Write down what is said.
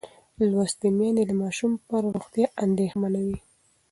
لوستې میندې د ماشوم پر روغتیا اندېښمنه وي.